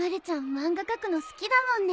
漫画描くの好きだもんね。